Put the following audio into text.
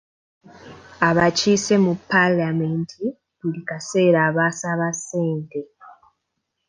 Abakkise mu palamenti buli kaseera basaba ssente.